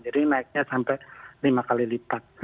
jadi naiknya sampai lima kali lipat